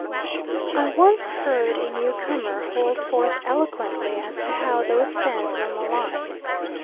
I once heard a new comer hold forth eloquently as to how those Fans were maligned.